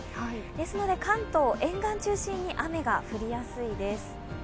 ですので、関東、沿岸中心に雨が降りやすいです。